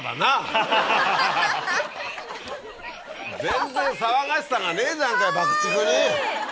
全然騒がしさがねえじゃんか爆竹に！